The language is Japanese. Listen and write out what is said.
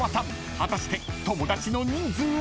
［果たして友だちの人数は？］